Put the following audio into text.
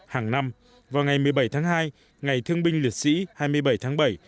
hàng năm vào ngày một mươi bảy tháng hai ngày thương binh liệt sĩ hai mươi bảy tháng bảy